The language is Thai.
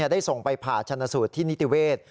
ได้ส่งไปผ่าชนะสูตรที่นิติเวศ